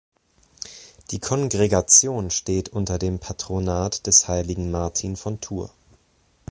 Die Kongregation steht unter dem Patronat des heiligen Martin von Tours.